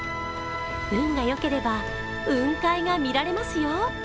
運がよければ雲海が見られますよ。